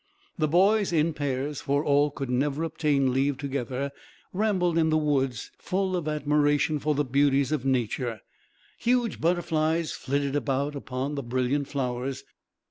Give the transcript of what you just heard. The boys, in pairs, for all could never obtain leave together, rambled in the woods, full of admiration for the beauties of nature. Huge butterflies flitted about upon the brilliant flowers.